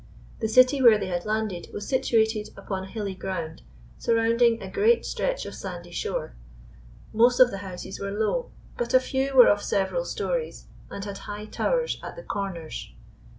The city where they had landed was situated upon hilly ground surround ing a great stretch of sandy shore. Most of the houses were low, but a few were of several stories, and had high towers at the corners.